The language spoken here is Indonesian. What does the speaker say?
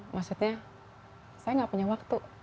maksudnya saya gak punya waktu